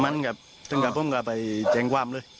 มันครับซึ่งก็ผมก็ไปแจงความเลย